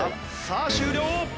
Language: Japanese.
さあ終了！